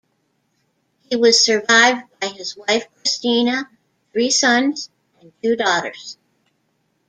He was survived by his wife, Christina, three sons and two daughters.